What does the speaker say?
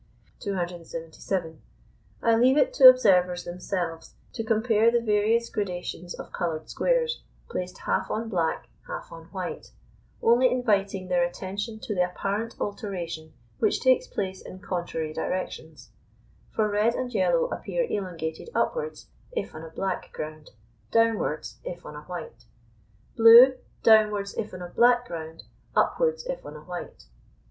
277. I leave it to observers themselves to compare the various gradations of coloured squares, placed half on black half on white, only inviting their attention to the apparent alteration which takes place in contrary directions; for red and yellow appear elongated upwards if on a black ground, downwards if on a white; blue, downwards if on a black ground, upwards if on a white.